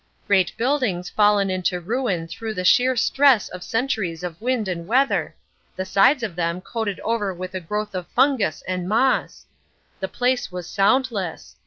Great buildings fallen into ruin through the sheer stress of centuries of wind and weather, the sides of them coated over with a growth of fungus and moss! The place was soundless.